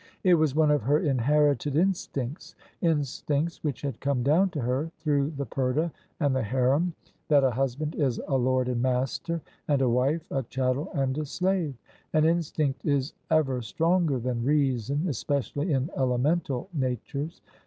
It was one of her inherited instincts — instincts which had come down to her through the purdah and the harem — that a husband is a lord and master, and a wife a chattel and a slave: and Instinct is ever stronger than reason, especially in elemental natures.